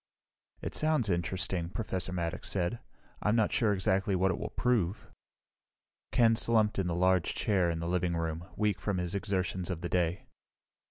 "It sounds interesting," Professor Maddox said. "I'm not sure exactly what it will prove." Ken slumped in the large chair in the living room, weak after his exertions of the day.